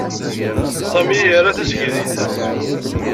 Sami ira tasegrit.